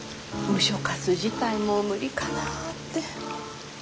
ムショ活自体もう無理かなって。